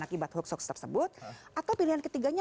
akibat hoax hoax tersebut atau pilihan ketiganya